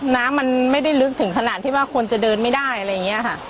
น้ำมันไม่ได้ลึกถึงขนาดที่ว่าคนจะเดินไม่ได้อะไรอย่างนี้ค่ะ